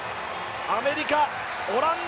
アメリカ、オランダ。